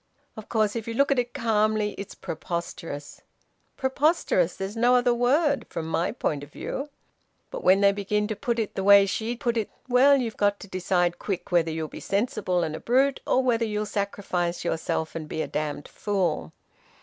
Of course, if you look at it calmly, it's preposterous. Preposterous there's no other word from my point of view. But when they begin to put it the way she put it well, you've got to decide quick whether you'll be sensible and a brute, or whether you'll sacrifice yourself and be a damned fool...